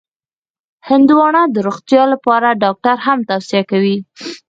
هندوانه د روغتیا لپاره ډاکټر هم توصیه کوي.